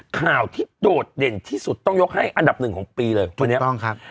ข่าวที่โดดเด่นที่สุดต้องยกให้อันดับหนึ่งของปีเลยคนนี้ถูกต้องครับ